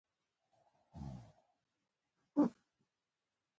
هغوی د اردن سیند لویدیځې غاړې ته نیپو غره کې دفن کېدل مستند بولي.